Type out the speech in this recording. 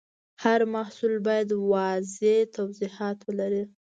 هر محصول باید واضح توضیحات ولري.